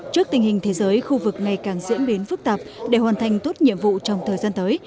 trước tình hình thế giới khu vực ngày càng diễn biến phức tạp để hoàn thành tốt nhiệm vụ trong thời gian tới